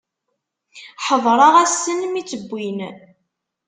Ḥeḍreɣ ass-en mi tt-wwin.